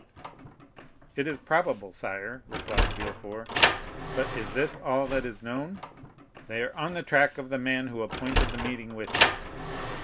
"It is probable, sire," replied Villefort. "But is this all that is known?" "They are on the track of the man who appointed the meeting with him."